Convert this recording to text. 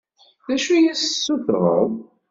D acu i as-d-tessutreḍ?